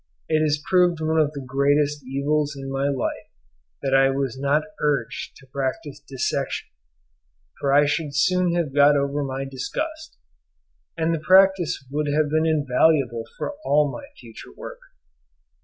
It has proved one of the greatest evils in my life that I was not urged to practise dissection, for I should soon have got over my disgust; and the practice would have been invaluable for all my future work.